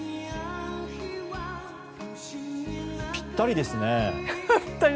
ぴったりですね！